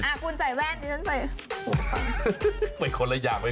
อ่ะคุณใส่แว่นนี่ฉันใส่